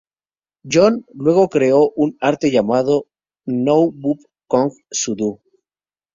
Yoon luego creo su Arte llamado "Kwon Bop Kong Soo Do".